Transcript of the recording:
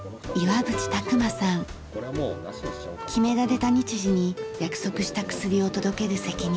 決められた日時に約束した薬を届ける責任。